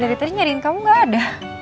dari tadi nyariin kamu gak ada